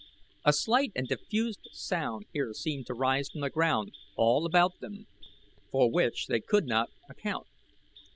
A slight and diffused sound here seemed to rise from the ground all about them, for which they could not account.